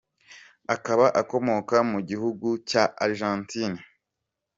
Akaba akomoka mu gihugu cya Argentine.